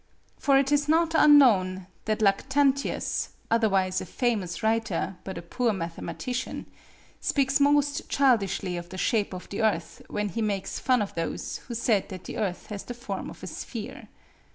For it is not unknown that Lactantius, otherwise a famous writer but a poor mathematician, speaks most childishly of the shape of the Earth when he makes fun of those who said that the Earth has the form of a sphere.